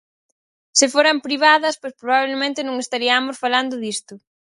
Se foran privadas, pois probablemente non estariamos falando disto.